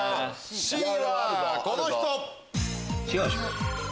Ｃはこの人！